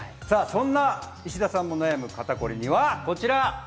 そんな石田さんも悩む肩こりにはこちら。